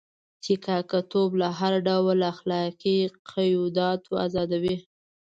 چې کاکه توب له هر ډول اخلاقي قیوداتو آزادوي.